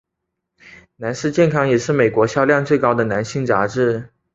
男士健康也是美国销量最高的男性杂志。